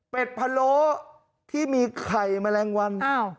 เป็นพะโล้ที่มีไข่แมลงวัน